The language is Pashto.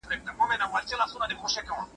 تاسو بايد د ابداليانو تاريخ په دقت سره ولولئ.